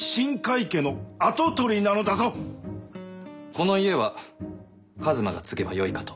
この家は一馬が継げばよいかと。